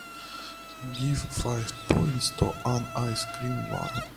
Give five points to An Ice-Cream War